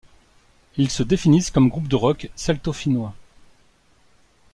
Ils se définissent comme groupe de rock celto-finnois.